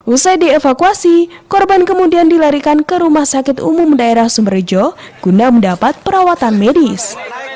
usai dievakuasi korban kemudian dilarikan ke rumah sakit umum daerah sumberjo guna mendapat perawatan medis